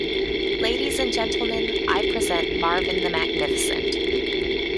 Ladies and gentlemen, I present Marvin the magnificent.